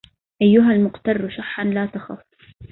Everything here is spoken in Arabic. أيها المقتر شحا لا تخف